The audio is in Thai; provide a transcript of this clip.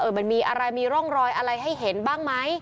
มันมีอะไรมีร่องรอยอะไรให้เห็นบ้างไหม